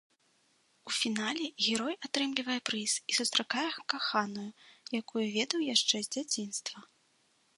У фінале герой атрымлівае прыз і сустракае каханую, якую ведаў яшчэ з дзяцінства.